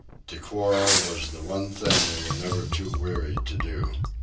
To quarrel was the one thing they were never too weary to do.